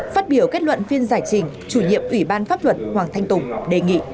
phát biểu kết luận phiên giải trình chủ nhiệm ủy ban pháp luật hoàng thanh tùng đề nghị